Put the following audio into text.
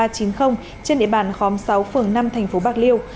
trên địa bàn khóm sáu phường năm thành phố bạc liêu